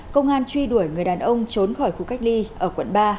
công an truy đuổi người đàn ông trốn khỏi khu cách ly ở quận ba